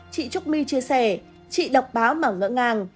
chị trúc my chia sẻ chị đọc báo mà ngỡ ngàng